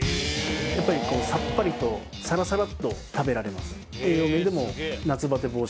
やっぱりさっぱりとさらさらっと食べられます